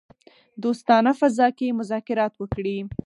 دوستانه فضا کې مذاکرات وکړي.